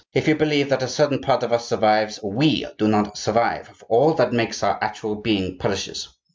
If you believe that a certain part of us survives, we do not survive; for all that makes our actual being perishes.